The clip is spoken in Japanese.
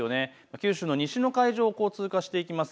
九州の西の海上を通過していきます。